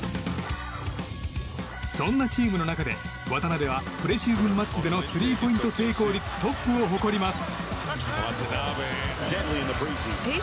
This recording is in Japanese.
そんなチームの中で渡邊はプレシーズンマッチでのスリーポイント成功率トップを誇ります。